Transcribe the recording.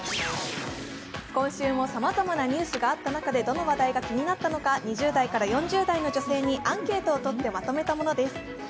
今週もさまざまなニュースがあった中でどの話題が気になったのか、２０代から４０代の女性にアンケートをとって、まとめたものです。